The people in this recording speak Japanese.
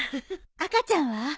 赤ちゃんは？